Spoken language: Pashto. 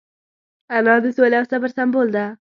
انا د سولې او صبر سمبول ده